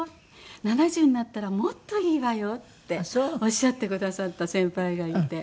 ７０になったらもっといいわよっておっしゃってくださった先輩がいて。